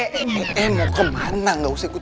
eh eh eh mau ke mana nggak usah ikut